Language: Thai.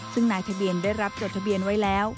ซึ่งนายทะเบียนได้รับจดทะเบียนไว้แล้ว